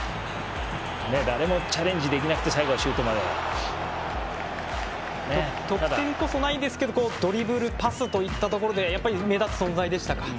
誰もチャレンジできなくて得点こそないですけどドリブル、パスといったところでやっぱり目立つ存在でしたか？